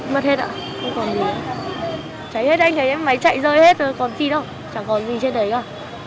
mất hết ạ không còn gì cháy hết anh thấy máy chạy rơi hết rồi còn gì đâu chẳng còn gì trên đấy cả